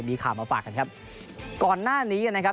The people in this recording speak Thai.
มีข่าวมาฝากกันครับก่อนหน้านี้นะครับ